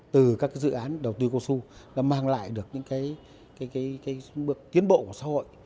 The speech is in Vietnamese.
từ các dự án đầu tư cô su mang lại được những bước tiến bộ của xã hội